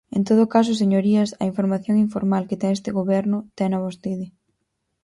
En todo caso señorías, a información informal que ten este Goberno, tena vostede.